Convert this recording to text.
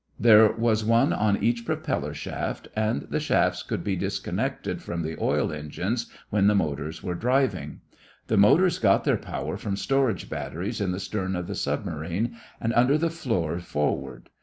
There was one on each propeller shaft and the shafts could be disconnected from the oil engines when the motors were driving. The motors got their power from storage batteries in the stern of the submarine and under the floors forward.